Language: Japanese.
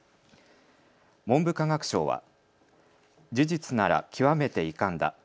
文部科学省は事実なら極めて遺憾だ。